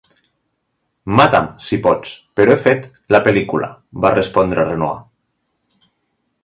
"Mata'm, si pots, però he fet la pel·lícula", va respondre Renoir.